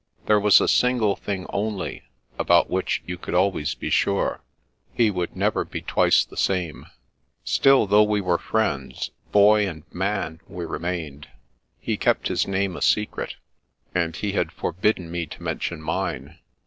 There was a single thing only, about which you could always be sure. He would never be twice the same. Still, though we were friends, " Boy " and " Man " we remained. He kept his name a secret, and he had forbidden me to mention mine.